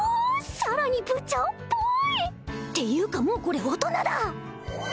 さらに部長っぽーい！っていうかもうこれ大人だ！